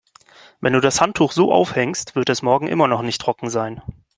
Wenn du das Handtuch so aufhängst, wird es morgen immer noch nicht trocken sein.